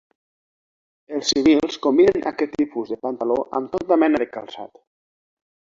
Els civils combinen aquest tipus de pantaló amb tota mena de calçat.